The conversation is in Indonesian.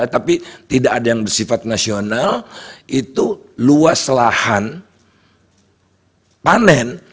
tapi tidak ada yang bersifat nasional itu luas lahan panen